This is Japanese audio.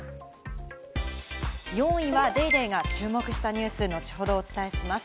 ４位は『ＤａｙＤａｙ．』が注目したニュース、後ほどお伝えします。